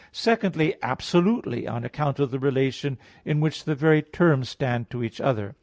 Secondly absolutely, on account of the relation in which the very terms stand to each other.